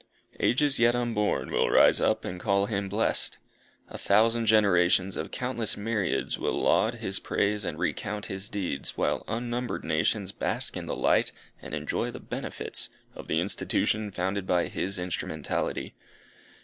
Ages yet unborn will rise up and call him blessed. A thousand generations of countless myriads will laud his praise and recount his deeds, while unnumbered nations bask in the light and enjoy the benefits of the institution founded by his instrumentality.